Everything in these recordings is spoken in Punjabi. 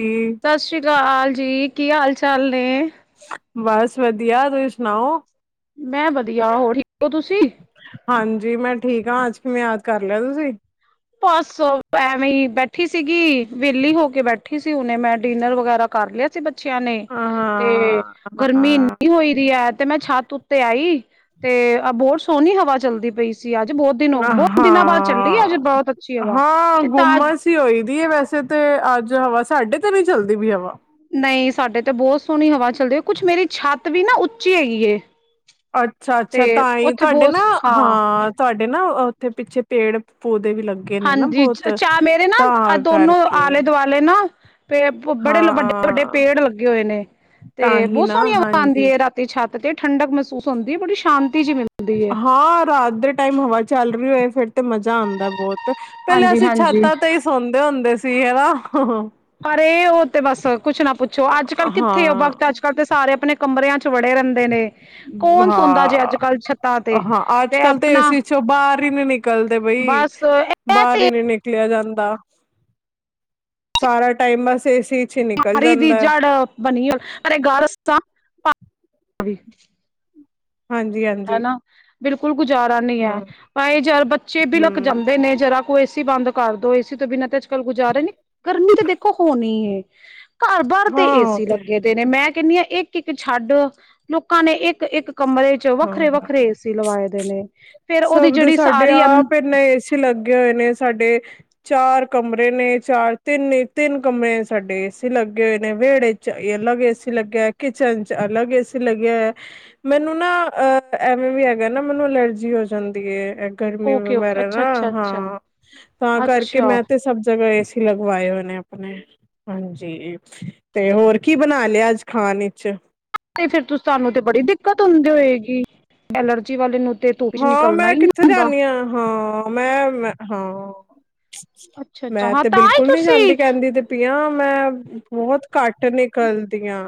ਜੀ ਸਤਿ ਸ੍ਰੀ ਅਕਾਆਲ ਜੀ ਕੀ ਹਾਲ ਚਾਲ ਨੇ ਬਸ ਵਧੀਆ ਤੁਸੀਂ ਸੁਣਾਓ ਮੈਂ ਵਧੀਆ ਹੋਰ ਹੀ ਹ ਹੋ ਤੁਸੀਂ ਹਾਂਜੀ ਮੈਂ ਠੀਕ ਆ ਅੱਜ ਕਿਵੇਂ ਯਾਦ ਕਰ ਲਿਆ ਤੁਸੀਂ ਬਸ ਐਵੇਂ ਹੀ ਬੈਠੀ ਸੀਗੀ ਵਿਹਲੀ ਹੋ ਕੇ ਬੈਠੀ ਸੀ ਉਹਨੇ ਮੈਂ ਡਿਨਰ ਵਗੈਰਾ ਕਰ ਲਿਆ ਸੀ ਬ ਅੱਛਿਆਂ ਨੇ ਤੇ ਹਾਂ ਗਰਮੀ ਇੰਨੀ ਹਾਂ ਹੋਈ ਦੀ ਏ ਤੇ ਮੈਂ ਛੱਤ ਉੱਤੇ ਆਈ ਤੇ ਆ ਬਹੁਤ ਸੋਹਣੀ ਹਵਾ ਚੱਲਦੀ ਪਈ ਸੀ ਸੀ ਅੱਜ ਬਹੁਤ ਦਿਨ ਬਹੁਤ ਦਿਨਾਂ ਬਾਅਦ ਚੱਲੀ ਅੱਜ ਹਾਂ ਬਹੁਤ ਅੱਛੀ ਹਵਾ ਹਾਂ ਤੇ ਤਾਂ ਗੁੰਮਸ ਹੀ ਹੋਈ ਦੀ ਏ ਵੈਸੇ ਤੇ ਅੱਜ ਹਵਾ ਸਾਡੇ ਤੇ ਨ ਚੱਲਦੀ ਵੀ ਹਵਾ ਨਹੀਂ ਸਾਡੇ ਤੇ ਬਹੁਤ ਸੋਹਣੀ ਹਵਾ ਚੱਲਦੀ ਹੈ ਕੁੱਛ ਮੇਰੀ ਛੱਤ ਵੀ ਨਾ ਉੱਚੀ ਹੈਗੀ ਅੱਛਾ ਤੇ ਅੱਛਾ ਤਾਂ ਹੀ ਉੱਥੇ ਤੁਹਾਡੇ ਬਹੁਤ ਨਾ ਹਾਂ ਤੁਹਾਡ ਨਾ ਉੱਥੇ ਪਿੱਛੇ ਪੇੜ ਪੌਦੇ ਵੀ ਲੱਗੇ ਨੇ ਨਾ ਹਾਂਜੀ ਬਹੁਤ ਚਾਹ ਮੇਰੇ ਨਾ ਤਾਂ ਦੋਨੋ ਕਰਕੇ ਆਲੇ ਦੁਆਲੇ ਨਾ ਪੇ ਬੜੇ ਵੱਡੇ ਵੱਡੇ ਹਾਂ ਪੇੜ ਲੱਗੇ ਹੋਏ ਨੇ ਤਾਂ ਤੇ ਹੀ ਬਹੁਤ ਨਾ ਸੋਹਣੀਆਂ ਆਉਂਦੀ ਹਾਂਜੀ ਹੈ ਰਾਤੀ ਛੱਤ ਤੇ ਠੰਡਕ ਮਹਿਸੂਸ ਹੁੰਦੀ ਹੈ ਬੜੀ ਸ਼ਾਂਤ ਹਾਂ ਰਾਤ ਦੇ ਟਾਈਮ ਹਵਾ ਚੱਲ ਰਹੀ ਹੋਏ ਫਿਰ ਤੇ ਮਜ਼ਾ ਆਉਂਦਾ ਬਹੁਤ ਪਹਿਲੇਾਂ ਹਾਂਜੀ ਅਸੀਂ ਹਾਂਜੀ ਛੱਤਾਂ ਤੇ ਹੀ ਸੌਦੇ ਹੁੰਦੇ ਸੀ ਹਨਾ। ਹੁੰ-ਹੂੰ। ਪਰ ਉਹ ਤੇ ਬਸ ਕੁੱਛ ਨਾ, ਪੁੱਛੋ ਅੱਜ ਕੱਲ੍ਹ ਕਿੱਥੇ ਉਹ ਹਾਂ ਵਕਤ ਅੱਜ ਕੱਲ੍ਹ ਤੇ ਸਾਰੇ ਆਪਣੇ ਕਮਰਿਆਂ, ਚ ਵੜੇ ਰਹਿੰਦੇ ਨੇ। ਕੌਣ ਸੌਦਾ ਜੇ ਹਾਂ ਅੱਜ ਕੱਲ੍ਹ ਛੱਤਾਂ ਤੇ ਹਾਂ ਅੱਜ ਤੇ ਕੱਲ ਤਾਂ ਆਪਣਾ ਏਸੀ ਚੋਂ ਬਾਹਰ ਹੀ ਨੀ ਨਿਕਲਦੇ ਬਈ ਬਸ ਇਹ ਤੇ ਬਾਹਰ ਹੀ ਨੀ ਨਿਕਲ, ਨਿਕਲਿਆ ਜਾਂਦਾ, ਸਾਰਾ ਟਾਈਮ ਬਸ ਏ-ਸੀ ਚ ਹੀ ਨਿਕਲ ਬਿਮਾਰੀ ਦੀ ਜਾਂਦਾ ਜੜ ਬਣੀ ਪਰ ਗਾਰਾਂ। ਹਾਂਜੀ-ਹਾਂਜੀ। ਬਿਲਕੁਲ। ਗੁਜ਼ਾਰਾ ਨਹੀਂ ਹੈ, ਭਾਾਈ ਯਾਰ ਬੱਚੇ ਵੀ ਲਕ ਹਮ ਜਾਂਦੇ ਨੇ ਜਰਾ। ਏ-ਸੀ ਬੰਦ ਕਰਦੋ, ਏ-ਸੀ ਤੋਂ ਬਿਨਾਂ ਤੇ ਗੁਜਾਰੇ ਨੇ ਕਰਨੀ ਤਾ ਦੇਖੋ ਹੋਨੀ ਏ ਘਰ-ਬਾਰ ਤੇ ਹਾਂ ਉਹ ਏਸੀ ਤੇ ਲੱਗੇ ਦੇ ਨੇ ਮੈਂ ਕਹਿੰਦੀ ਆ, ਇੱਕ-ਇੱਕ ਛੱਡ ਲੋਕਾਂ ਨੇ ਇੱਕ-ਇੱਕ ਕਮਰੇ ਚ ਵੱਖਰੇ ਹਾਂ, ਵੱਖਰੇ ਏਸੀ ਲਵਾਏ ਦੇ ਨੇ ਫੇਰ ਉਹਦੀ ਸਭ ਦੇ ਜਿਹੜੀ ਸਾਡੇ ਸਾਰੀ ਅੰ ਆਪ ਇਨਾ ਏਸੀ ਲੱਗੇ ਹੋਏ ਨੇ ਸਾਡੇ। ਚਾਰ ਕਮਰੇ ਨੇ, ਚਾਰ ਤਿੰਨ ਤਿੰਨ ਕਮਰੇ ਚ ਸਾਡੇ ਏਸੀ ਲੱਗੇ ਹੋਏ ਨੇ, ਵਿਹੜੇ ਚ ਅਲੱਗ ਏਸੀ ਲੱਗਿਆ ਹੈ, ਕਿਚਨ ਚ ਅਲੱਗ ਏਸੀ ਲੱਗਿਆ ਹੈ ਮੈਨੂੰ ਨਾ। ਅ ਐਵੇਂ ਵੀ ਹੈਗਾ ਨਾ ਮੈਨੂੰ ਅਲਰਜੀ ਹੋ ਜਾਂਦੀ ਏ। ਗਰਮੀ ਓਕੇ ਓਕੇ ਵਗੈਰਾ ਅੱਛਾ ਨਾ, ਅੱਛਾ ਅੱਛਾ ਹਾਂ ਤਾਂ ਕਰਕੇ, ਅੱਛਾ ਮੈਂ ਤੇ ਸਭ ਜਗ੍ਹਾ ਏਸੀ। ਲਗਵਾਏ ਹੋਏ ਨੇ ਆਪਣੇ ਹਾਂਜੀ ਤੇ ਹੋਰ ਕੀ ਬਣਾ ਲਿਆ ਅੱਜ ਖਾਣ ਵਿਚ। ਫਿਰ ਸਾਨੂੰ ਤੇ ਬੜੀ ਦਿੱਕਤ ਹੁੰਦੀ ਹੋਏਗੀ ਐਲਰਜੀ ਵਾਲੇ ਨੂੰ। ਤੇ ਧੁੱਪ ਚ ਹਾਂ, ਨਿਕਲਣਾ ਮੈਂ ਹੀ ਨੀ ਕਿੱਥੇ ਹੁੰਦਾ ਜਾਂਦੀ ਹਾਂ, ਮੈਂ-ਮੈਂ ਹਾਂ ਅੱਛਾ ਅੱਛਾ ਮੈਂ ਹਾਂ ਤੇ ਤਾਂ ਹੀ ਬਿਲਕੁਲ ਨਹੀਂ ਤੁਸੀਂ ਜਾਂਦੀ ਕਹਿੰਦੀ ਤੇਪਿਆ, ਮੈਂ ਬਹੁਤ ਘੱਟ ਨਿਕ ਕਰਦੀਆਂ।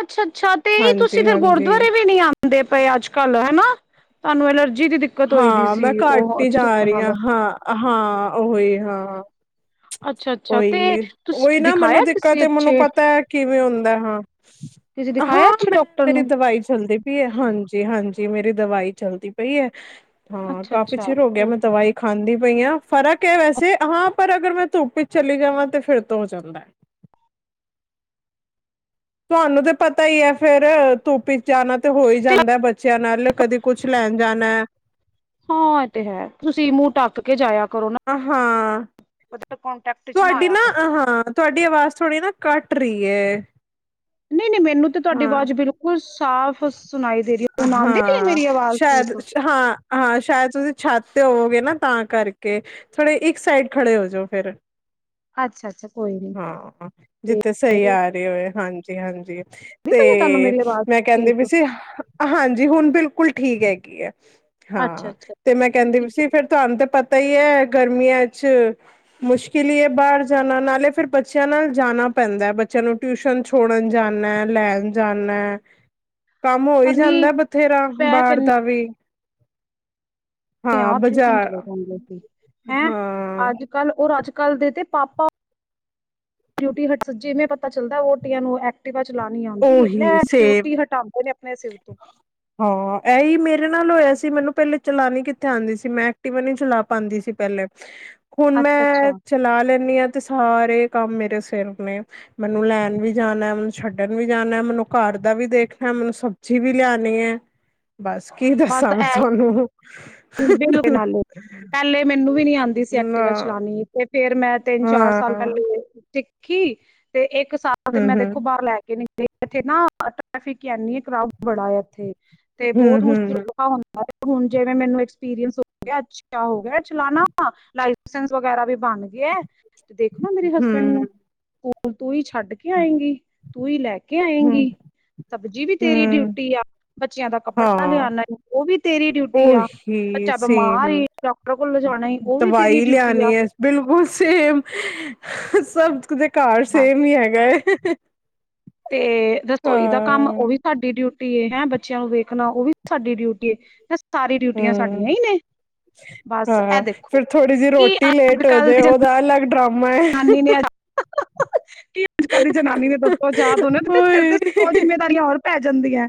ਅੱਛਾ-ਅੱਛਾ ਤੇਹੀ ਤੁਸੀਂ ਦੇ ਗੁਰਦੁਆਰੇ ਵੀ ਨਹੀਂ ਆਦੇ ਪਏ ਅੱਜ-ਕੱਲ ਹੈਨਾ। ਤੁਹਾਨੂੰ ਐਲਰਜ ਹਾਂ ਮੈਂ ਘੱਟ ਹੀ ਜਾ ਰਹੀ ਹਾਂ ਨਾਲ ਹਾਂ ਹਾਂ। ਓਹੀ ਹਾਂ। ਅੱਛਾ-ਅੱਛਾ ਤੇ ੳਹੀ-ਉਹੀ ਤੁਸੀਂ ਨਾ ਮੈਨੂੰ ਦਿਖਾਇਆ ਦਿੱਕਤ ਕਿਸੇ ਤੇ ਮੈਨੂੰ ਅੱਛੇ ਪਤਾ ਹੈ, ਕਿਵੇਂ ਹੁੰਦਾ ਕਿਸੇ ਦਿਖਾਇਆ ਹਾਂ-ਹਾਂ ਅੱਛੇ ਮੈਂ ਡਾਕਟਰ ਮੇਰੀ ਨੂੰ ਦਵਾਈ ਚੱਲਦੀ ਹਾਂਜੀ-ਹਾਂਜੀ, ਮੇਰੀ ਦਵਾਈ ਚੱਲਦੀ ਪਈ ਹੈ। ਹੂ, ਕਾਫ਼ੀ ਅੱਛਾ-ਅੱਛਾ ਚਿਰ ਹੋ ਗਿਆ, ਮੈਂ ਦਵਾਈ ਖਾਂਦੀ। ਪਈਆਂ ਫਰਕ ਹੈ, ਵੈਸੇ ਹਾਂ ਪਰ ਅਗਰ, ਮੈਂ ਧੁੱਪ ਵਿੱਚ ਚਲੀ ਜਾਵਾਂ ਤੇ ਫਿਰ ਤੋਂ ਹੋ ਜਾਂਦਾ ਹੈ। ਤੁਹਾਨੂੰ ਤੇ ਪਤਾ ਹੀ ਹੈ ਫੇਿਰ, ਧੂਪ੍ ਹੀ ਜਾਣਾ ਤਾਂ ਹੋ ਹੀ ਤੇ ਜਾਂਦਾ ਬੱਚਿਆਂ ਨਾਲ ਕਦੇ ਕੁਛ ਲੈਣ ਜਾਣਾ। [inaudible] ਹਾਂ ਇਹ ਤੇ ਹੈ ਤੁਸੀਂ ਮੂੰਹ ਟੱਕ ਕੇ ਜਾਇਆ ਕਰੋ ਨਾ ਆਹ ਹਾਂ। ਕੋਂਟੈਕਟ ਚ ਤੁਹਾਡੀ ਆਇਆ ਨਾ ਕਰੋ। ਹਾਂ ਤੁਹਾਡੀ ਆਵਾਜ਼ ਥੋੜੀ ਨਾ ਘੱਟ [inaudible] ਨਹੀਂ ਨਹੀਂ ਮੈਨੂੰ ਤੇ ਤੁਹਾਡੀ ਹਾਂ ਆਵਾਜ਼ ਬਿਲਕੁਲ ਸਾਫ ਸੁਣਾਈ ਦੇ ਰਹੀ ਉਹ ਨ ਆਉਂਦੀ ਰ ਆ ਹਾਂ ਮੇਰੀ ਆਵਾਜ਼ ਸ਼ਾਇਦ ਠੀਕ। ਹਾਂ ਹਾਂ ਸ਼ਾਇਦ ਤੁਸੀਂ ਛਾਤ ਤੇ ਹੋਵੋਗੇ ਨਾ ਤਾਂ ਕਰਕੇ ਥੋੜੇ ਇੱਕ ਸਾਈਡ ਖੜੇ ਹੋ ਜਾਓ ਫਿਰ। ਅੱਛਾ-ਅੱਛਾ ਕੋਈ ਨੀ ਹਾਂ ਤੇ ਜਿੱਥੇ ਸਹੀ ਆਉਂਦੀ ਆ ਰਹੇ ਹੋਏ ਹਾਂਜੀ। ਤੇ ਹਾਂਜੀ। ਪਈ ਹੈ ਤੁਹਾਨੂੰ ਤੇ ਮੇਰੀ ਆਵਾਜ਼ ਮੈਂ ਕਹਿੰਦੀ ਠੀਕ ਵੀ ਸੀ ਹਾਂਜੀ ਹੁਣ ਬਿਲਕੁਲ ਠੀਕ ਹੈਗੀ ਆ। ਹਾਂ ਅੱਛਾ-ਅੱਛਾ ਤੇ ਮੈਂ ਕਹਿੰਦੀ ਠੀਕ ਸੀ ਐ। ਫਿਰ ਤੁਹਾਨੂੰ ਤੇ ਪਤਾ ਤਾਂ ਹੀ ਹੈ ਗਰਮੀਆਂ ਚ ਮੁਸ਼ਕਿਲ ਹੀ ਹੈ ਬਾਹਰ ਜਾਣਾ ਨਾਲੇ ਫੇਿਰ ਬੱਚਿਆਂ ਨਾਲ ਜਾਣਾ ਪੈਂਦਾ, ਬੱਚਿਆਂ ਨੂੰ ਟਿਊਸ਼ਨ ਛੋੜਨ ਜਾਣਾ ਲੈਣ ਜਾਣਾ ਕੰਮ ਜਾਂਦਾ ਬਥੇਰਾ ਬਾਹਰ ਦਾ ਵੀ ਤੇ ਹਾਂ ਆ ਟਿਊਸ਼ਨ ਬਾਜ਼ਾਰ ਚਲੇ ਜਾਂਦੇ ਸੀ ਹੈਂ ਹਾਂ ਅੱਜ ਕੱਲ੍ਹ ਉਹ ਰਾਜ ਕੱਲ ਦੇ ਤੇ ਪਾਪਾ ਡਿਊਟੀ ਹਟ ਜਿਵੇਂ ਪਤਾ ਚੱਲਦਾ ਦੀਆਂ ਨੂੰ [inaudible] ਐਕਟਿਵਾ ਚਲਾਣੀ ਆਉਂਦੀ ਇਹ ਉਹੀ ਲੈ ਸੇਮ ਡਿਊਟੀ ਹਟਾਉਂਦੇ ਨੇ ਆਪਣੇ ਸਿਰ ਤੋਂ ਰੇ ਨਾਲ ਹੋਇਆ ਸੀ ਮੈਨੂੰ ਪਹਿਲੇ ਚਲਾਣੀ ਕਿੱਥੇ ਆਉਂਦੀ ਸੀ। ਮੈਂ ਐਕਟੀਵਾ ਨੀ ਚਲਾ ਪਾਉਦੀ ਸੀ ਪਹਿਲੇ। ਹੁਣ ਮੈਂ ਚਲਾ ਲੈਂਦੀ ਹਾਂ ਤੇ ਸਾਰੇ ਕੰਮ ਮੇਰੇ ਸਿਰ ਨੇ ਮੈਨੂੰ ਲੈਣ ਵੀ ਜਾਨਾ ਛੱਡ [inaudible] ਵੀ ਜਾਣਾ ਮੈਨੂੰ ਘਰ ਦਾ ਵੀ ਦੇਖਣਾ ਮੈਨੂੰ ਸਬਜ਼ੀ ਵੀ ਲਿਆਉਣੀ ਹੈ। ਬਸ ਕੀ ਦੱਸਾਂ ਮੈਂ ਤੁਹਾਨੂੰ। [unintelligible] ਪਹਿਲੇ ਮੈਨੂੰ ਵੀ ਨੀ ਆਉਂਦੀ ਸੀ ਨਾ ਐਕਟੀਵਾ ਚਲਾਉਣੀ ਤੇ ਫੇਰ ਮੈਂ ਤਿੰਨ ਚਾਰ ਸਾਲ ਹਾਂ ਪਹਿਲੇ ਸਿੱਖੀ ਤੇ ਇੱਕ ਇੱਕ ਸਾਲ ਤੇ ਮੈਂ ਹਮ ਦੇਖੋ ਹਮ ਬਾਹਰ ਲੈ ਕੇ ਨੀ ਇੱਥੇ ਨਾ ਟ੍ਰੈਫਿਕ ਇਨੀ ਹੈ ਕਰਾਊਡ ਬੜਾ ਹੈ ਇੱਥੇ ਤੇ ਬਹੁਤ ਹਮ ਹਮ ਮੁਸ਼ਕਿਲਾ ਹੁੰਦਾ ਹੁਣ ਜਿਵੇਂ ਮੈਨੂੰ ਏਕਸਪੀਰੀਸ ਹੋ ਅੱਛਾ ਹੋ ਗਿਆ। ਚਲਾਣਾ ਵਾ। ਲਾਇਸੈਂਸ ਵਗੈਰਾ ਵੀ ਬਣ ਗਿਆ। ਤੇ ਦੇਖੋ ਨਾ ਮੇਰੇ ਹਸਬੈਂਡ ਹਮ ਨੂੰ। ਤੂੰ ਹੀ ਛੱਡ ਕੇ ਆਏਂਗੀ। ਤੂੰ ਹੀ ਲੈ ਕੇ ਹਮ ਆਏਂਗੀ। ਸਬਜੀੀ ਵੀ ਤੇਰੀ ਹਮ ਡਿਊਟੀ ਆ। ਬੱਚਿਆਂ ਦਾ ਕੱਪੜਾ ਹਾਂ ਲਿਆਉਦਾ। ਉਹ ਵੀ ਤੇਰੀ ਡਿਊਟੀ ਆ। ਕਿ ਬੱਚਾ ਬਿਮਾਰ ਸੇਮ ਏ ਡਾਕਟਰ ਕੋਲ ਲਿਜਾਣਾ ਈ ਉਹ ਵੀ ਤੇਰੀ ਦਵਾਈ ਡਿਊਟੀ ਆ ਲਿਆਉਣੀ ਹੈ। ਬਿਲਕੁਲ ਸੇਮ। ਸਭ [unintelligible] ਘਰ ਬਸ ਸੇਮ ਹੀ ਹੈਗਾ। ਹੱ ਤੇ ਰਸੋਈ ਦਾ ਕੰਮ ਉਹ ਵੀ ਸਾਡੀ ਡਿਊਟੀ ਟੀ ਏ ਹੈਂ ਬੱਚਿਆਂ ਨੂੰ ਵੇਖਣਾ ਉਹ ਵੀ ਸਾਡੀ ਡਿਊਟੀ ਏ। ਸਾਰੀ ਡਿਊਟੀਆਂ ਸਾਡੀਆਂ ਹਮ ਹੀ ਨੇ। ਬਸ ਇਹ ਹਾਂ ਦੇਖੋ ਫਿਰ ਥੋੜ੍ਹੀ ਜਿਹੀ ਕਿ ਰੋਟੀ ਅੱਜ ਲੇਟ ਹੋ ਕੱਲ ਜਾਏ ਦੀ ਜ ਉਹਦਾ ਅਲੱਗ ਡਰਾਮਾ ਹੈ ਜਨਾਨੀ ਨੇ ਕੀ ਅੱਜ ਕੱਲ ਦੀ ਜਨਾਨੀ ਨੇ ਦੁੱਧੋ ਜਾ ਦੋਨੇ ਸਿਰ ਤੇ ਓਏ ਜਿੰਮੇਦਾਰੀਆਂ ਹੋਰ ਪੈ ਜਾਂਦੀਆਂ।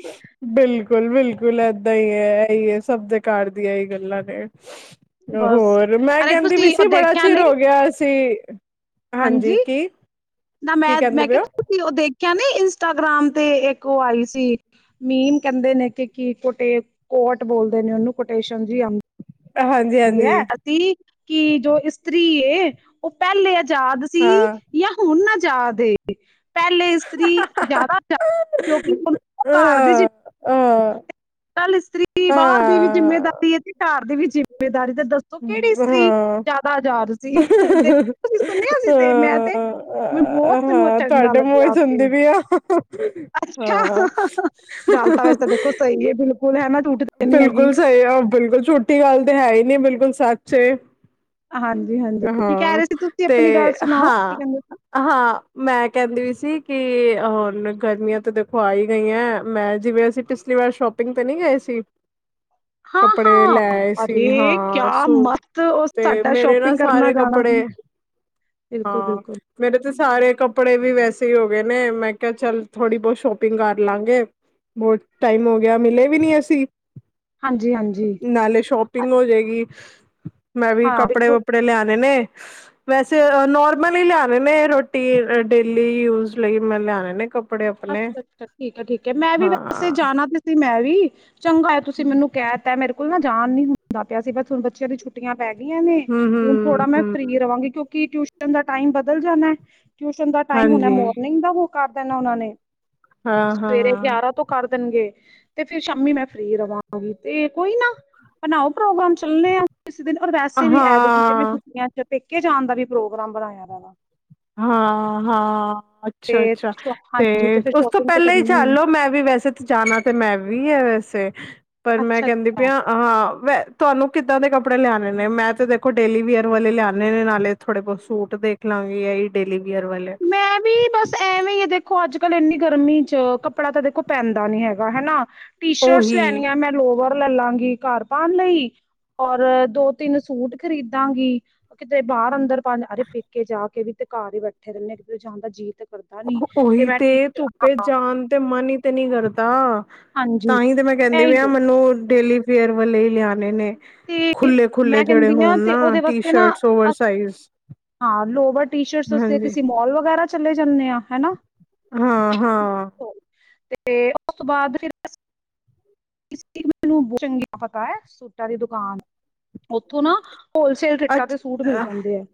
ਬਿਲਕੁਲ ਬਿਲਕੁਲ, ਬਿਲਕੁਲ ਏਦਾਂ ਹੀ ਹੈ। ਇਹੀ ਹੈ। ਸਭ ਦੇਕਾਰ ਦੀਆਂ ਹੀ ਗੱਲਾਂ ਨੇ। ਬਸ। ਹੋਰ ਮੈਂ ਅਰੇ ਕਹਿੰਦੀ ਵੀ ਤੁਸੀਂ ਉਹ ਸੀ ਬੜਾ ਦੇਖਿਆ ਚਿਰ ਨਹੀਂ ਹੋ ਗਿਆ ਸੀ ਹਮ ਹਾਂਜੀ। ਨਾ ਕੀ ਮੈਂ ਕਹਿੰਦੇ ਮੈਂ ਪਏ ਕਿਹਾ ਹੋ ਤੁਸੀਂ ਉਹ ਦੇਖਿਆ ਨ ਇੰਸਟਾਗ੍ਰਾਮ। ਤੇ ਇੱਕ ਉਹ ਆਈ ਸੀ। ਮੀਮ ਕਹਿੰਦੇ ਨੇ ਕਿ ਕੀ ਕੋਟੇ ਕੋਟ ਬੋਲਦੇ ਨੇ ਉਹਨੂੰ ਕੋਟੇਸ਼ਨ ਜੀ ਆ ਹਾਂਜੀ ਹਾਂਜੀ [unintelligible] ਉਹ ਪਹਿਲੇ ਅ ਯਾਦ ਸੀ ਹਾਂ ਜਾਂ ਹੁਣ ਨਾ ਜਾ ਦੇ। ਪਹਿਲੇ ਇਸਤਰੀ ਜ਼ਿਆਦਾ ਆਹ ਹੋ ਅੱ ਕੱਲ ਇਸਤਰੀ ਬਾਹਰ ਦੀ ਵੀ ਹਾਂ ਜਿੰਮੇਦਾਰੀ ਹੈ। ਤੇ ਘਰ ਦੀ ਵੀ ਜਿਮ ਦਾਰੀ ਤੇ ਦੱਸ ਕਿਹੜੀ ਇਸਤਰੀ ਜ਼ਿਆਦਾ ਆਜ਼ਾਰ ਦੇਖ ਤੁਂ ਸੁਣਿਆ ਸੀ ਹਾਂ ਤੇ ਮੈਂ ਤੇ ਮ ਬਹੁਤ ਮੈਨੂੰ ਹਾਂ ਚੰਗਾ ਤੁਹਾਡੇ ਮੂੰਹ ਲੱਗਿਆ ਹੀ ਉੱਥ। ਸੁਣਦੀ [unintelligible] ਹਾਂ ਗੱਲ ਤਾਂ ਵੈਸੇ ਦੇਖੋ ਸਹੀ ਹੈ ਬਿਲਕੁਲ ਹੈ ਨਾ ਝੂਠ ਤੇ ਨੀ ਹੈਗੀ। ਬਿਲਕੁਲ ਸਹੀ ਆਹ ਬਿਲਕੁਲ ਛੋਟੀ ਗੱਲ ਤੇ ਹੈ। ਹੀ ਨਹੀਂੀ ਬਿਲਕੁਲ ਸੱਚ ਏ ਹਾਂਜੀ-ਹਾਂਜੀ ਕੀ ਕਹਿ ਹਾਂ ਰਹੇ ਸੀ ਤੁਸੀਂ ਤੇ ਆਪਣੀ ਗੱਲ ਸੁਣਾਓ ਕੀ ਹਾਂ, ਕਹਿੰਦੇ ਸੀ? ਹਾਂ, ਮੈਂ ਕਹਿੰਦੀ ਵੀ ਸੀ ਕੀ ਹੁਣ ਗਰਮੀਆਂ ਤੇ ਦੇਖੋ ਆਈ ਗਈਆਂ, ਮੈਂ ਜਿਵੇਂ ਅਸੀਂ ਪਿਛਲੀ ਵਾਰ ਸ਼ੋਪਿੰਗ ਤੇ ਨੀ ਗਏ ਸੀ। ਹਾਂ ਕੱਪੜੇ ਹਾਂ, ਲੈ ਆਏ ਸੀ ਅਰੇ ਹਾਂ ਕਿਆ ਸੂਟ ਮਸਤ ਉਹ ਤੇ ਸਾਡਾ ਮੇਰੇ ਨਾ ਸ਼ੋਪਿੰਗ ਕਰ ਸਾਰੇ ਕੱਪੜੇ, ਹਾਂ ਬਿਲਕੁਲ-ਬਿਲਕੁਲ ਮੇਰੇ ਤੇ ਸਾਰੇ ਕੱਪੜੇ ਵੀ ਵੈਸੇ ਹੀ ਹੋ ਗਏ ਨੇ ਮੈਂ ਕਿਹਾ ਚੱਲ ਥੋੜ੍ਹੀ ਬਹੁਤ ਸ਼ੋਪਿੰਗ ਕਰ ਲਾਂਗੇ, ਬਹੁਤ ਟਾਈਮ ਹੋ ਗਿਆ, ਮਿਲੇ ਵੀ ਨੀ ਅਸੀਂ। ਹਾਂਜੀ-ਹਾਂਜੀ ਨਾਲੇ ਸ਼ੋਪਿੰਗ ਹੋਜੇਗੀ। ਮੈਂ ਵੀ ਹਾਂ ਕੱਪੜੇ, ਬਿਲਕੁਲ ਆ ਨੇ ਨ, ਵੈਸੇ ਨੋਰਮਲ ਹੀ ਲਿਆਣੇ ਨੇ ਰੋਟੀਨ ਡੇਲੀ ਯੂਜ ਲਈ ਮੈਂ ਲਿਆਣੇ ਨੇ ਕਪ ਅੱਛਾ ਅੱਛਾ, ਠੀਕ ਹੈ ਠੀਕ ਹੈ, ਮੈਂ ਵੀ ਵੈਸੇ ਹਾਂ ਜਾਣਾ ਵੀ ਸੀ ਮੈਂ [unintelligible] ਚੰਗਾ ਹੋਇਆ, ਤੁਸੀਂ ਮੈਨੂੰ ਕਹਿ ਤੇ, ਮੇਰੇ ਕੋਲ ਨਾ ਨਾ ਨੀ, ਹੁੰਦਾ ਪਿਆ ਸੀ, ਬਸ ਹੁਣ ਬੱਚਿਆਂ ਦੀ ਛੁੱਟੀਆਂ ਪੈ ਗਿਆਂ ਨੇ ਹਮ ਹੁਣ ਹਮ ਥੋੜਾ ਮੈਂ ਹਮ ਫ੍ਰੀ ਰਹਾਂਗੀ, ਕਿਉਂਕਿ ਟਿ ਨ ਦਾ ਟਾਈਮ ਬਦਲ ਜਾਣਾ ਹੈ। ਟਿਊਸ਼ਨ ਦਾ ਟਾਈਮ ਹੋਣਾ ਹਾਂਜੀ ਮੋਰਨਿੰਗ ਦਾ ਮੁ ਉਹਨਾਂ ਨੇ ਹਾਂ ਸਵੇਰੇ ਹਾਂ ਗਿਆਰਾਂ ਤੋਂ ਕਰ ਦੇਣਗੇ। ਤੇ ਫਿਰ ਸ਼ਾਮੀ ਮੈਂ ਫ੍ਰਰੀ ਰਵਾਂਗੀ, ਤੇ ਕੋਈ ਨਾ ਬਣਾਓ ਪ੍ਰੋਗਰਾਮ ਚਲਣੇ ਆ ਕਿਸੇ ਦਿਨ, ਔਰ ਵੈਸੇ ਵੀ ਐਦਕੀ ਤੇ ਮੈਂ ਹਾਂ ਛੁਟੀਆਂ ਚ ਪੇਕੇ ਜਾਣ ਦਾ ਵੀ ਪ੍ਰੋਗਰਾਮ ਬਣਾਇਆ ਦਾ ਵਾ। ਹਾਂ ਹਾਂ, ਅੱਛਾ ਤੇ ਅੱਛਾ ਤੇ ਹਾਂਜੀ ਫਿਰ ਉਸ ਤੋਂ ਸ਼ੋਪਿੰਗ ਤੇ ਪਹਿਲਾਂ ਹੀ ਕਰਨੀ ਚੱਲੋ, ਮੈਂ ਵੀ ਵੈਸੇ ਜਾਣਾ, ਤੇ ਮੈਂ ਵੀ ਆ ਵੈਸੇ ਪਰ ਮੈਂ ਕਹਿੰਦੀ ਅੱਛਾ-ਅੱਛਾ ਪਈ ਹਾਂ ਵ ਨੂੰ ਕਿੱਦਾਂ ਦੇ ਕੱਪੜੇ ਲਿਆਉਣੇ ਨੇ? ਮੈਂ ਤੇ ਦੇਖੋ, ਡੇਲੀ ਵੀੇਅਰ ਵਾਲੇ ਲਿਆਉਣੇ ਨੇ, ਨਾਲੇ ਥੋੜੇ-ਬਹੁਤ ਸੂਟ ਦੇਖ ਲਵਾਂਗੀ ਆ [unintelligible] ਵੀਅਰ ਵਾਲੇ ਮੈਂ ਵੀ ਬਸ ਐਵੇਂ ਹੀ ਆ। ਦੇਖੋ, ਅੱਜ ਕੱਲ ਇੰਨੀ ਗਰਮੀ ਚ ਕੱਪੜਾ ਤਾਂ ਦੇਖੋ ਪੈਂਦਾ ਨੀ ਹੈਗਾ, ਹਨਾ? ਟੀ-ਸ਼ਰਟਸ ਉਹੀ ਲੈਣ ਆ, ਮੈਂ ਲੋਵ ਲੈ ਲਾਂਗੀ, ਘਰ ਪਾਣ ਲਈ। ਔਰ ਦੋ-ਤਿੰਨ ਸੂਟ ਖਰੀਦਾਂਗੀ, ਕਿਤੇ ਬਾਹਰ ਅੰਦਰ ਅਰੇ ਪੇਕੇ ਜਾ ਕੇ ਵੀ ਤੇ ਘਰ ਹੀ [unintelligible] ਉਹੀ ਮੈਂ ਤੇ, ਟੀ ਧੁੱਪੇ ਜਾਣ ਤੇ ਮਨ ਹੀ ਤੇ ਨੀ ਕਰਦਾ। ਤਾਂ ਹਾਂਜੀ ਤਾਂ ਹੀ ਤੇ ਮੈਂ ਕਹਿੰਦੀ ਇਹੀ ਪਈ ਆ ਮੈਨੂੰ ਡੇਲੀ ਫੇਅਰ ਵਾਲੇ ਈ ਲਿਆਣੇ ਨੇ। ਤੇ ਖੁੱਲੇ ਖੁੱਲੇ ਮੈਂ ਜਿਹੜੇ ਕਹਿੰਦੀ ਆਂ ਹੋਣ ਤੇ ਨਾ ਉਹਦੇ ਟੀ ਵਾਸਤੇ ਨਾ ਸ਼ਰਟਸ ਓਵਰ ਅ ਸਾਈਜ਼ ਹਾਂ ਲੋਵਰ ਟੀ-ਸ਼ਰਟਸ ਵਾਸਤੇ ਹਾਂਜੀ ਕਿਸੇ ਮੋਲ ਵਗੈਰਾ ਚਲੇੇ ਜਾਨੇ ਆ ਹਨਾ। ਹਾਂ ਹਾਂ ਤੇ ਉਸ ਤੋਂ ਬਾਅਦ ਫਿਰ ਇਸ ਲਈ ਮੈਨੂੰ ਬਹੁਤ ਚੰਗੀ ਤਰਾਂ ਪਤਾ ਹੈ, ਸੂਟਾਂ ਦੀ ਦੁਕਾਨ ਉੱਥੋਂ ਨਾ ਹੋਲਸੇਲ ਰੇਟਾਂ ਅੱਛ ਤੇ ਸੂਟ ਮਿਲ ਅ ਜਾਂਦੇ ਐ।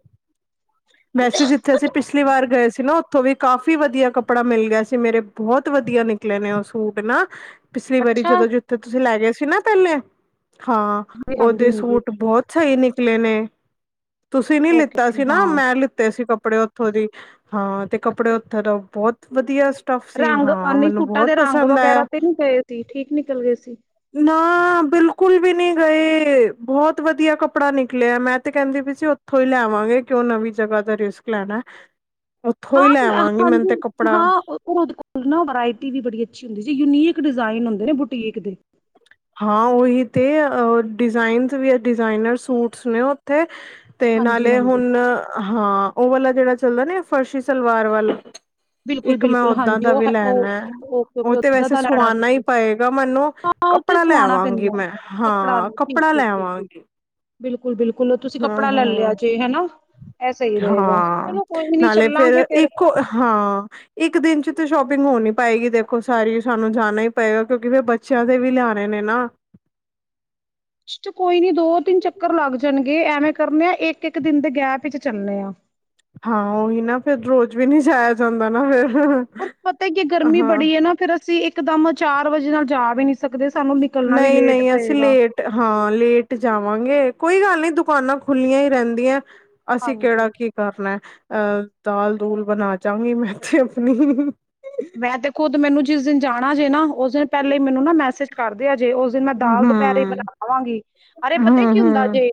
ਵੈਸੇ ਜਿੱਥੇ ਅਸੀਂ ਪਿਛਲੀ ਵਾਰ ਗਏ ਸੀ ਨਾ ਉੱਥੋਂ ਵੀ ਕਾਫ਼ੀ ਵਧੀਆ ਕੱਪੜਾ ਮਿਲ ਗਿਆ ਸੀ, ਮੇਰੇ ਬਹੁਤ ਵਧੀਆ ਨਿਕਲੇ ਨੇ ਉਹ ਸੂਟ ਨਾ। ਪਿਛਲੀ ਵਾਰੀ ਅੱਛਾ ਜਦੋਂ ਜਿੱਥੇ ਤੁਸੀਂ ਲੈ ਗਏ ਸੀ ਨਾ ਤੱਲ ਐ। ਹਾਂ, ਹਾਂਜੀ ਉਹਦੇ ਹਾਂਜੀ ਸੂਟ ਬਹੁਤ ਸਹੀ ਨਿਕਲੇ ਨੇ। [unintelligible] ਤੁਸੀਂ ਨੀ ਓਕੇ ਲਿੱਤਾ ਅੱਜ। ਓਕੇ ਨਾ ਹਾਂ ਮੈਂ ਲਿੱਤੇ ਸੀ ਕੱਪੜੇ ਉੱਥੋਂ ਦੀ ਹਾਂ ਤੇ ਕੱਪੜੇ ਅੱਛਾ ਉੱਥੇ ਤਾਂ ਬਹੁਤ ਵਧੀਅਸ ਟਫ ਸੀ ਰੰਗ ਅ, ਹਾਂ ਨਹੀਂ ਮੈਨੂੰ ਸੂਟਾਂ ਬਹੁਤ ਦੇ ਰੰਗ ਪਸੰਦ ਵਗੈਰਾ ਆਇਆ, ਤੇ ਨਹੀਂ ਗਏ ਸੀ ਠੀਕ ਨਿਕਲ ਗਏ ਸੀ ਨਾ ਬਿਲਕੁਲ ਵੀ ਨੀ। ਸਹੀ ਬਹੁਤ ਵਧੀਆ ਕੱਪੜਾ ਨਿਕਲਿਆ, ਮੈਂ ਤੇ ਕਹਿੰਦੀ ਵੀ ਸੀ ਉੱਥੋਂ ਹੀ ਲੈ ਆਵਾਂਗੇ। ਕਿਉਂ ਨਵੀਂ ਜਗ੍ਹਾ ਦਾ ਰਿਸਕ ਲੈਣਾ। ਉੱਥੋਂ ਹੀ ਹਾਂ ਲੈਵਾਂਗੀ ਮੈਨੂੰ ਹਾਂਜੀ ਤੇ ਕੱਪੜਾ ਹਾਂ ਉਹਦੇ ਕੋਲ ਨਾ ਵਰਾਇਟੀ ਵੀ ਬੜੀ ਅੱਛੀ ਹੁੰਦੀ ਸੀ ਯੂਨੀਕ। ਡਿਜ਼ਾਇਨ ਹੁੰਦੇ ਨੇ ਬੁਟੀਕ ਦੇ। ਹਾਂ ਉਹੀ ਤੇ ਅ ਡਿਜ਼ਾਈਨਜ਼ ਵੀ ਐ ਡਿਜ਼ਾਈਨਰ ਸੂਟਸ ਨੇ ਉੱਥੇ। ਤੇ ਹਾਂਜੀ ਨਾਲੇ ਹਾਂਜੀ ਹੁਣ ਆਂ। ਹਾਂ ਉਹ ਵਾਲਾ ਜਿਹੜਾ ਚੱਲਦਾ ਨਾ ਫਰਸ਼ੀ ਸਲਵਾਰ ਵੱਲ- ਬਿਲਕੁਲ ਇੱਕ ਮੈਂ ਬਿਲਕੁਲ ਓਦਾਂ ਹਾਂਜੀ ਦਾ ਉਹ ਵੀ ਹੈ- ਲੈਣਾ ਉਹ ਐ, ਓਕੇ ਉਹ ਓਕੇ ਤੇ ਓਦਾਂ ਵੈਸੇ ਦਾ ਲੈਣਾ ਸੁਆਣਾ ਹੀ ਤੁਸੀਂ ਪਏਗਾ ਮੈਨੂੰ। ਹਾਂ ਉੱਥੇ ਕੱਪੜਾ ਸਵਾਣਾ ਲੈਵਾਂਗੀ ਪੈਂਦਾ ਮੈਂ, ਹਾਂ ਠੀਕ ਠੀਕ ਕੱਪੜਾ ਠੀਕ ਠੀਕ ਲੈਵਾਂਗੀ। ਬਿਲਕੁਲ ਬਿਲਕ। ਕੋਲੋਂ ਤੁਸੀਂ ਹਾਂ ਕੱਪੜਾ ਲੈ ਹਾਂ ਲਿਆ ਜੇ ਹੈਨਾ ਇਹ ਸਹੀ ਰਹੇਗਾ ਹਾਂ ਚਲੋ ਕੋਈ ਨੀ ਨਾਲੇ ਫੇਰ ਚੱਲਾਂਗੇ ਫਿਰ। ਇੱਕ ਹਾਂ ਇੱਕ ਦਿਨ ਚ ਤਾਂ ਸ਼ੋਪਿੰਗ ਹੋ ਨੀ ਪਾਏਗੀ ਦੇਖੋ ਸਾਰੀ ਸਾਨੂੰ ਜਾਣਾ ਹੀ ਪਏਗਾ, ਕਿਉਂਕਿ ਫਿਰ ਬੱਚਿਆਂ ਦੇ ਵੀ ਲਿਆਣੇ ਨੇ ਨਾ ਇਸ ਚ ਕੋਈ ਨੀ ਦੋ ਤਿੰਨ ਚੱਕਰ ਲੱਗ ਜਾਣਗੇ, ਐਵੇਂ ਕਰਨੇ ਆ ਇੱਕ- ਇੱਕ ਦਿਨ ਦੇ ਗੈਪ ਵਿੱਚ ਚੱਲੇ ਆ। ਹਾਂ ਉਹੀ ਨਾ ਫਿਰ ਰੋਜ਼ ਵੀ ਨੀ ਜਾਇਆ ਜਾਂਦਾ ਨਾ ਫਿਰ। ਉਹ ਪਤਾ ਕੀ ਐ ਗਰਮੀ ਹਾਂ ਬੜੀ ਐ ਨਾ ਫਿਰ ਅਸੀਂ ਇੱਕਦਮ ਚਾਰ ਵਜੇ ਨਾਲ ਜਾ ਵੀ ਨਹੀਂੀ ਸਕਦੇ ਸਾਨੂੰ ਨਿਕਲਣਾ ਵੀ ਨਹੀਂ ਲੇਟ ਨਹੀਂ ਅਸੀਂ ਪਏਗਾ ਲੇਟ ਹਾਂ ਲੇਟ ਜਾਵਾਂਗੇ। ਕੋਈ ਗੱਲ ਨੀ ਦੁਕਾਨਾਂ ਖੁੱਲੀਆਂ ਹੀ ਰਹਿੰਦੀਆਂ। ਅਸੀਂ ਹਾਂਜੀ ਕਿਹੜਾ ਕੀ ਕਰਨਾ ਹੈ। ਅਹ ਦਾਲ ਦੂਲ ਬਣਾ ਜਾਗੀ ਮੈ ਤੇ ਆਪਣੀ। ਮੈਂ ਤੇ ਖੁਦ ਮੈਨੂੰ ਜਿਸ ਦਿਨ ਜਾਣਾ ਜੇ ਨਾ ਉਸ ਦਿਨ ਪਹਿਲੇ ਮੈਨੂੰ ਨਾ ਮੈਸੇਜ ਕਰਦੇ ਔ ਜੇ ਉਸ ਦਿਨ ਮੈਂ ਹਮ ਦਾਲ ਦੁਪਹਿਰੇ ਹਮ ਬਣਾਵਾਂਗੀ, ਅਰੇ ਪਤਾ ਕੀ ਹਮ ਹੁੰਦਾ ਹਮ ਜੇ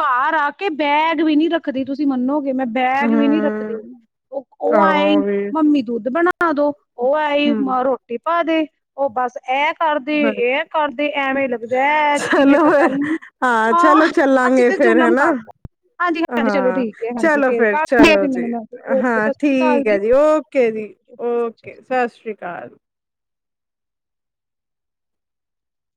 ਘ ਆ ਕੇ ਬੈਗ ਵੀ ਨੀ ਰੱਖਦੇ ਤੁਸੀ ਮੰਨੋ, ਜੇ ਮੈਂ ਬੈਗ ਵੀ ਨੀ ਰੱਖਦੇ, ਹਮ ਉਹ ਉਹ ਆਹੋ ਆਏ ਈ ਵੀ ਨ ਦੋ ਉਹ ਆਈ ਹਮ ਮੈਂ ਰੋਟੀ, ਪਾਦੇ ਔ ਬਸ। ਐ ਕਰਦੀ ਏ ਹਾਂਜੀ ਕਰਦੀ ਐਵੇ ਲਗਦਾ ਜਿਵੇ ਚਲੋ ਪਤਾ ਫਿਰ ਨੀ ਚਲੋ ਹਾਂ ਅਸੀ ਚੱਲਾਂਗੇ ਤੇ ਫੇਰ ਜੁਲਮ ਹਨਾ ਕਰਤਾ ਹਾਂਜੀ ਚੱਲੋ ਹਾਂ ਠੀਕ ਹਾਂਜੀ ਚਲੋ ਫਿਰ ਕਰਦੀ ਆ ਚਲੋ ਫਿਰ ਜੀ ਮੈਂ, ਹਾਂ ਸਾਸਰੀ ਕਾਲ ਠੀਕ ਜੀ। ਹੈ ਓਕੇ ਜੀ ਓਕੇ ਸਤਿ ਸ਼੍ਰੀ ਅਕਾਲ